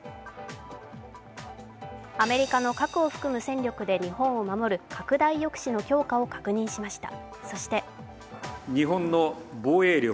アメリカの核を含む戦力で日本を守る拡大抑止の強化を確認しました。